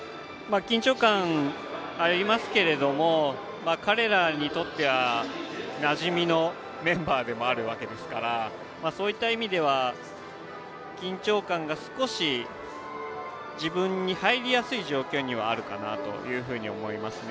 緊張感ありますけれども彼らにとっては、なじみのメンバーでもあるわけですからそういった意味では緊張感が少し自分に入りやすい状況にはあるかなと思いますね。